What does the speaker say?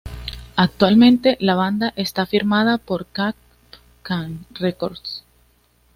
Actualmente la banda está firmada con Kap-Kan Records.